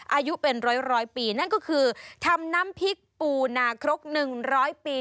อายุเป็นร้อยปีนั่นก็คือทำน้ำพริกปูนาครก๑๐๐ปี